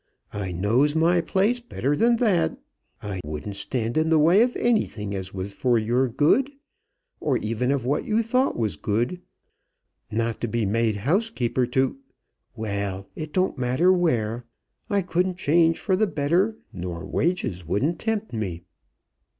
I knows my place better than that. I wouldn't stand in the way of anything as was for your good, or even of what you thought was good, not to be made housekeeper to Well, it don't matter where. I couldn't change for the better, nor wages wouldn't tempt me."